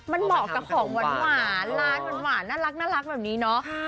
มันเหมาะกับของหวานร้านหวานน่ารักแบบนี้เนาะ